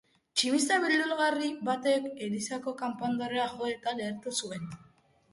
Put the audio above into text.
Tximista beldurgarri batek elizako kanpandorrea jo eta lehertu zuen.